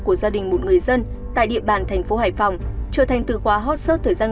của gia đình một người dân tại địa bàn thành phố hải phòng trở thành từ khóa hot set thời gian